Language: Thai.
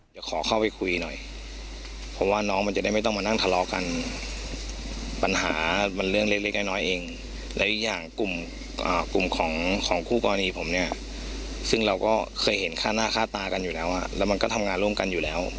พี่ก็บอกโอเคงั้นก็เข้าไปคุยให้เรียบร้อยแต่อย่ามีปัญหาการร้าย